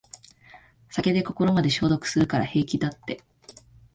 酒で心まで消毒するから平気だって